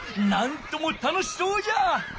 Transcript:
なんとも楽しそうじゃ！